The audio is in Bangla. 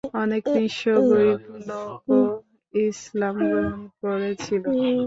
অনেক নিঃস্ব-গরীব লোকও ইসলাম গ্রহণ করেছিল।